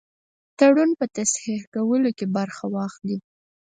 تړون په تصحیح کولو کې برخه واخلي.